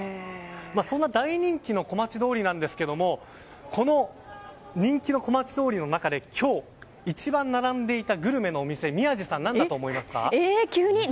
そんな大人気の小町通りですがこの人気の小町通りの中で今日一番並んでいたグルメのお店宮司さん、何だと思いますか？